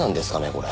これ。